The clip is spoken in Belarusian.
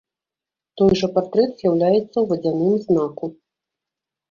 Той жа партрэт з'яўляецца ў вадзяным знаку.